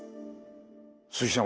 鈴木さん。